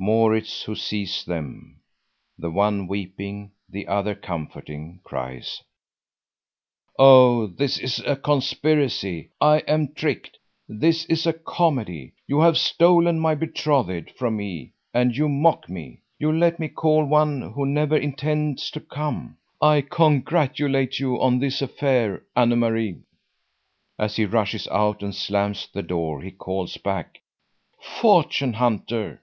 Maurits, who sees them, the one weeping, the other comforting, cries: "Oh, this is a conspiracy! I am tricked! This is a comedy! You have stolen my betrothed from me and you mock me! You let me call one who never intends to come! I congratulate you on this affair, Anne Marie!" As he rushes out and slams the door, he calls back: "Fortune hunter!"